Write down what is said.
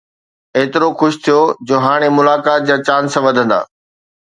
ايترو خوش ٿيو جو هاڻي ملاقات جا چانس وڌندا.